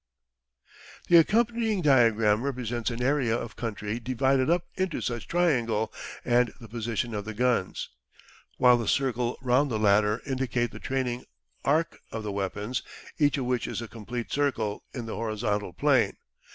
The accompanying diagram represents an area of country divided up into such triangle and the position of the guns, while the circle round the latter indicate the training arc of the weapons, each of which is a complete circle, in the horizontal plane.